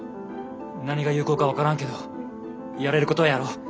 何が有効か分からんけどやれることはやろう。